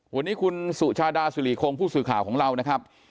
วันนี้คุณสุชาดาสุริคงผู้สื่อข่าวของเรานะครับ